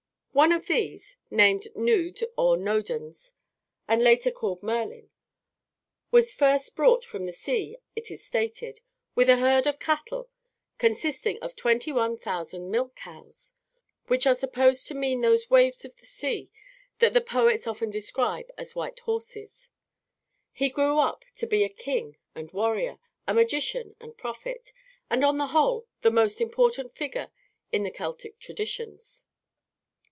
One of these named Nud or Nodens, and later called Merlin was first brought from the sea, it is stated, with a herd of cattle consisting of 21,000 milch cows, which are supposed to mean those waves of the sea that the poets often describe as White Horses. He grew up to be a king and warrior, a magician and prophet, and on the whole the most important figure in the Celtic traditions.